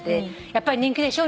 「やっぱり人気でしょ？